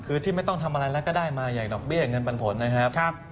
คือที่ไม่ต้องทำอะไรแล้วก็ได้มาอย่างดอกเบี้ยเงินปันผลนะครับ